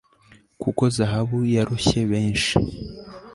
kuko zahabu yaroshye benshi